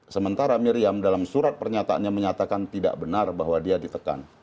sementara miriam dalam surat pernyataannya menyatakan tidak benar bahwa dia ditekan